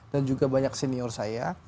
dan juga banyak senior saya